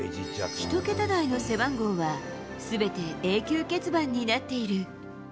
１桁台の背番号は、すべて永久欠番になっている。